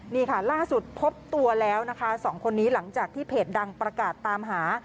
นี่ค่ะล่าสุดพบตัวแล้วนะคะสองคนนี้หลังจากที่เพจดังประกาศตามหา